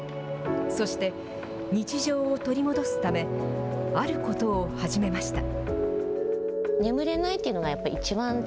そして日常を取り戻すため、あることを始めました。